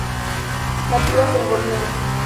Nativas de Borneo.